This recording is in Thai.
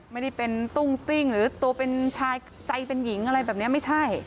ไม่ได้เป็นตุ้งติ้งหรือตัวเป็นชายใจเป็นหญิงอะไรแบบนี้ไม่ใช่